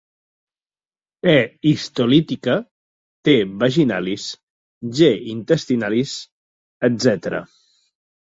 E. histolytica, T. vaginalis, G. intestinalis, etc.